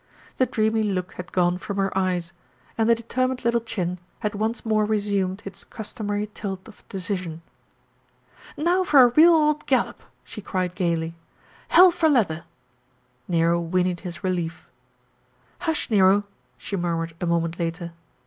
The dreamy look had gone from her eyes, and the determined little chin had once more resumed its customary tilt of decision. "Now for a real old gallop !" she cried gaily "hell for leather!" Nero whinnied his relief. "Hush, Nero !" she murmured a moment later.